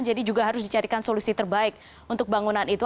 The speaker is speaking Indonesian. jadi juga harus dicarikan solusi terbaik untuk bangunan itu